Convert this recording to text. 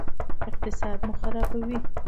اقتصاد مو خرابوي.